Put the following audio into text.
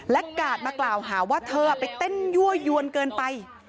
และกาดมากล่าวหาว่าเธอไปเต้นยั่วยวนเกินไป